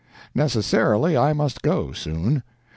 Necessarily, I must go soon.